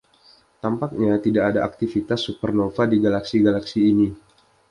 Tampaknya tidak ada aktivitas supernova di galaksi-galaksi ini.